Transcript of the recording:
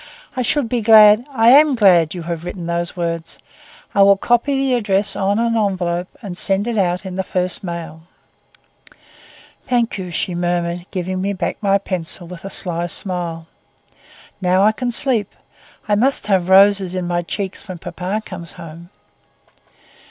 "I should be glad—I am glad that you have written these words. I will copy the address on an envelope and send it out in the first mail." "Thank you," she murmured, giving me back my pencil with a sly smile. "Now I can sleep. I must have roses in my cheeks when papa comes home."